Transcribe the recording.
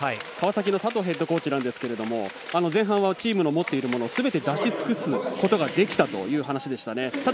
川崎の佐藤ヘッドコーチですけど前半はチームの持っているものをすべて出しつくことができたという話でしたね。